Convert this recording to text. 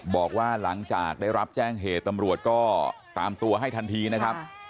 บอกว่าหลังจากได้รับแจ้งเหตุตำรวจก็ตามตัวให้ทันทีนะครับ